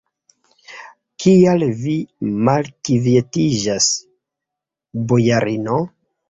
Kial vi malkvietiĝas, bojarino?